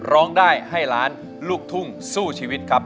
ร้องได้ให้ล้านลูกทุ่งสู้ชีวิตครับ